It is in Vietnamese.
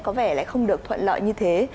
có vẻ lại không được thuận lợi như thế